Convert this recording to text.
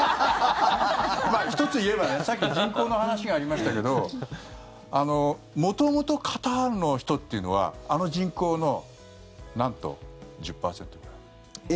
１つ言えばさっき人口の話がありましたけど元々、カタールの人っていうのはあの人口のなんと１０％くらい。